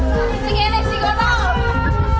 itu yang harus kita tahu